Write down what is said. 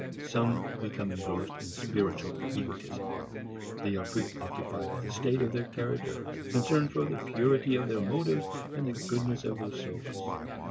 Some become engrossed in spiritual egotism. They are preoccupied with the state of their character, concerned for the purity of their motives and the goodness of their souls.